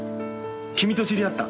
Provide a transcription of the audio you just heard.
君と知り合った。